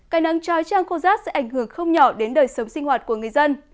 cái nắng trói trăng khô rác sẽ ảnh hưởng không nhỏ đến đời sống sinh hoạt của người dân